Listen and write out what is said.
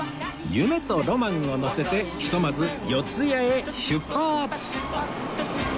夢とロマンを乗せてひとまず四谷へ出発！